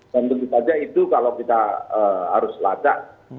dan begitu saja itu kalau kita harus latak